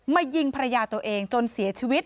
ยิงภรรยาตัวเองจนเสียชีวิต